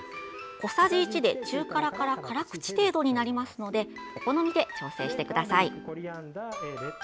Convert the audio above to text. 小さじ１で中辛から辛口程度になりますのでお好みで調整してください。